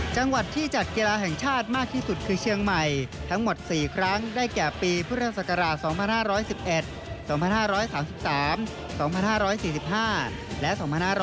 จังหวัดที่จัดกีฬาแห่งชาติมากที่สุดคือเชียงใหม่ทั้งหมด๔ครั้งได้แก่ปีพุทธศักราช๒๕๑๑๒๕๓๓๒๕๔๕และ๒๕๖๐